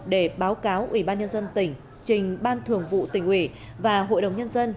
để báo cáo ủy ban nhân dân tỉnh trình ban thường vụ tỉnh ủy và hội đồng nhân dân